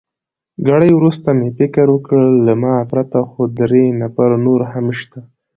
ګړی وروسته مې فکر وکړ، له ما پرته خو درې نفره نور هم شته.